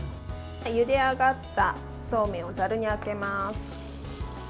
ゆで上がったそうめんをざるにあげます。